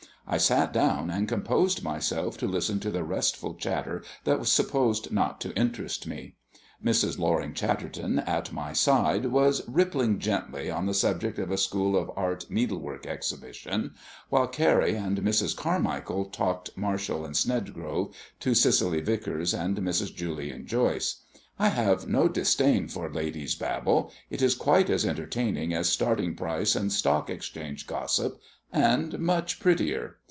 I sat down, and composed myself to listen to the restful chatter that was supposed not to interest me. Mrs. Loring Chatterton, at my side, was rippling gently on the subject of a School of Art Needlework Exhibition, while Carrie and Mrs. Carmichael talked Marshall and Snelgrove to Cicely Vicars and Mrs. Julian Joyce. I have no disdain for ladies' babble it is quite as entertaining as starting price and stock exchange gossip, and much prettier.